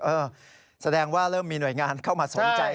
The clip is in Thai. เออแสดงว่าเริ่มมีหน่วยงานเข้ามาสนใจ